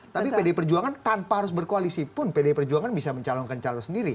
tapi pdi perjuangan tanpa harus berkoalisi pun pdi perjuangan bisa mencalonkan calon sendiri